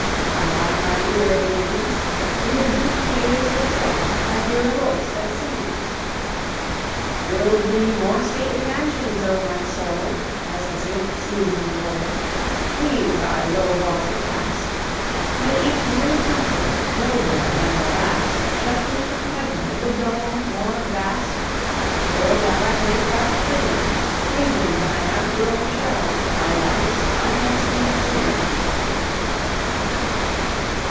While on mine ear it rings, Through the deep caves of thought I hear a voice that sings: Build thee more stately mansions, O my soul, As the swift seasons roll! Leave thy low vaulted past! Let each new temple, nobler than the last, Shut thee from heaven with a dome more vast, Till thou at length art free, Leaving thine outgrown shell by life's unresting sea!